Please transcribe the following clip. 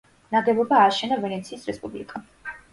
ნაგებობა ააშენა ვენეციის რესპუბლიკამ.